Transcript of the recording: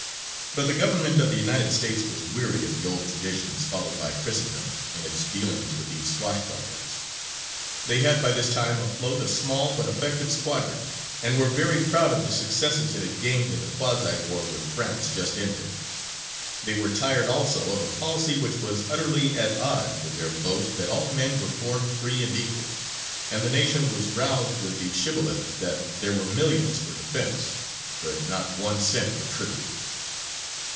But the government of the United States was weary of the old traditions followed by Christendom in its dealings with these swashbucklers. They had by this time afloat a small but effective squadron, and were very proud of the successes it had gained in the quasi war with France just ended. They were tired also of a policy which was utterly at odds with their boast that all men were born free and equal, and the nation was roused with the shibboleth that there were "millions for defence, but not one cent for tribute."